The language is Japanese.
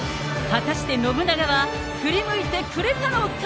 果たして信長は、振り向いてくれたのか。